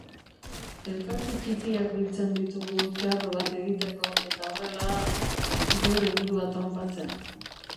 Elkarte ttipiak biltzen ditugu ttarro bat egiteko eta horrela... geure burua tronpatzen.